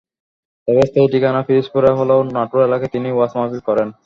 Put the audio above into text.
তাঁর স্থায়ী ঠিকানা পিরোজপুরে হলেও নাটোর এলাকায় তিনি ওয়াজ মাহফিল করেন।